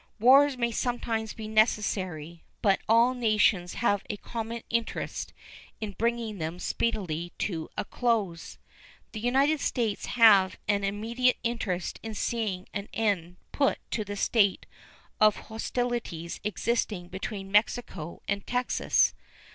Wars may sometimes be necessary, but all nations have a common interest in bringing them speedily to a close. The United States have an immediate interest in seeing an end put to the state of hostilities existing between Mexico and Texas.